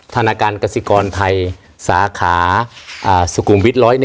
ธนาคารกสิกรไทยสาขาสุขุมวิท๑๐๑